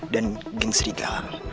dan geng serigala